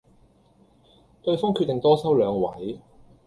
對方決定多收兩位